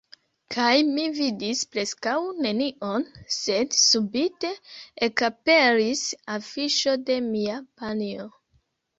Kaj mi vidis preskaŭ nenion, sed subite, ekaperis afiŝo de mia panjo.